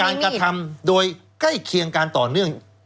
กระทำโดยใกล้เคียงการต่อเนื่อง